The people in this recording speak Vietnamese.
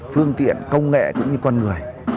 phương tiện công nghệ cũng như con người